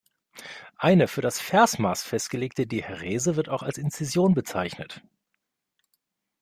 Eine für das Versmaß festgelegte Dihärese wird auch als Inzision bezeichnet.